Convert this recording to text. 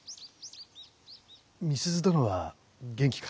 美鈴殿は元気か？